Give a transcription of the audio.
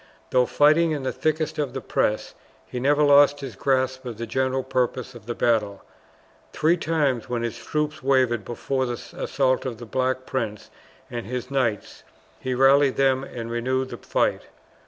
Though fighting in the thickest of the press, he never lost his grasp of the general purpose of the battle. Three times, when his troops wavered before the assaults of the Black Prince and his knights, he rallied them and renewed the fight.